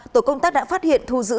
tổ công tác đã phát hiện thu giữ